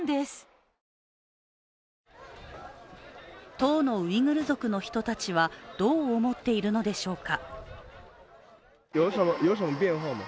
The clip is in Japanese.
当のウイグル族の人たちはどう思っているのでしょうか。